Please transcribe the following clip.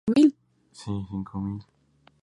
Gigena, Martínez y Acuña.